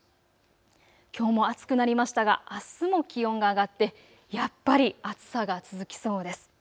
きょうも暑くなりましたがあすも気温が上がってやっぱり暑さが続きそうです。